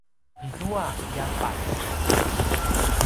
izua ljabatj